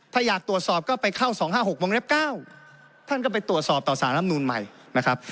ถ้าอยากตรวจสอบก็ไปเข้าสองห้าหกห้องแรกเก้าท่านก็ไปตรวจสอบต่อสารรัฐธรรมนุนใหม่นะครับ